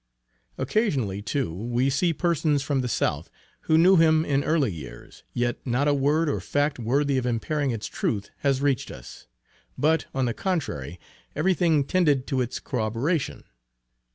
Occasionally too we see persons from the South, who knew him in early years, yet not a word or fact worthy of impairing its truth has reached us; but on the contrary, every thing tended to its corroboration.